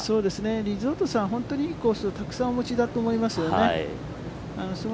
リゾートさん、本当にいいコースをたくさんお持ちだと思いますよね。